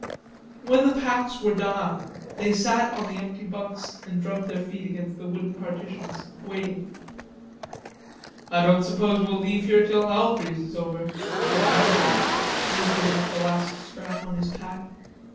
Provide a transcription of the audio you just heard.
When the packs were done up, they sat on the empty hunks and drummed their feet against the wooden partitions waiting. "I don't suppose we'll leave here till hell freezes over," said Meadville, who was doing up the last strap on his pack.